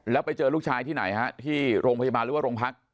แล้วไปเจอลูกชายที่ไหนฮะที่โรงพยาบาลหรือว่าโรงพัก